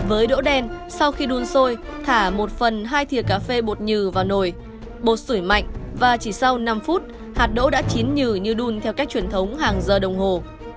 với đỗ đen sau khi đun sôi thả một phần hai thiều cà phê bột nhừ vào nồi bột sủi mạnh và chỉ sau năm phút hạt đỗ đã chín nhừ như đun theo cách truyền thống hàng giờ đồng hồ